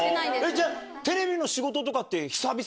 じゃあ、テレビの仕事とかって久々？